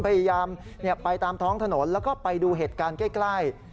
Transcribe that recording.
พยายามไปตามท้องถนนแล้วก็ไปดูเหตุการณ์ใกล้